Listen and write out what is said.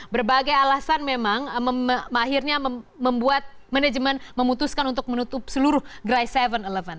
berbagai alasan memang akhirnya membuat manajemen memutuskan untuk menutup seluruh gerai tujuh eleven